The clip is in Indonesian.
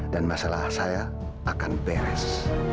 dan masalah saya akan beres